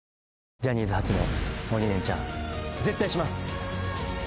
ジャニーズ初の鬼レンチャン絶対します！